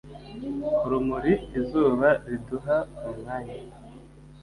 Urumuri, izuba riduha umwanya